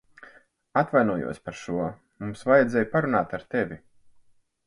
Atvainojos par šo. Mums vajadzēja parunāt ar tevi.